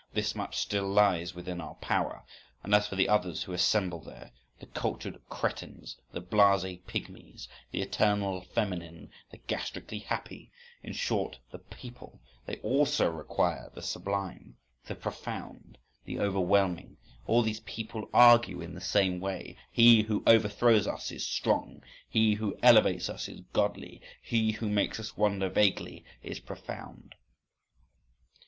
This much still lies within our power. And as for the others who assemble there,—the cultured crétins, the blasé pigmies, the eternally feminine, the gastrically happy, in short the people—they also require the sublime, the profound, the overwhelming. All these people argue in the same way. "He who overthrows us is strong; he who elevates us is godly; he who makes us wonder vaguely is profound."